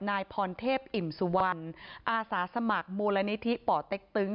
นายพรเทพอิ่มสุวรรณอาสาสมัครมูลนิธิป่อเต็กตึง